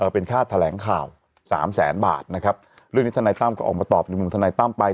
เป็นค่าแถลงข่าวสามแสนบาทนะครับเรื่องนี้ทนายตั้มก็ออกมาตอบในมุมธนายตั้มไป